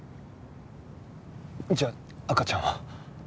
じゃあ赤ちゃんは？